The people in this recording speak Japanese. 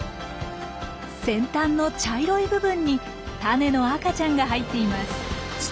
先端の茶色い部分にタネの赤ちゃんが入っています。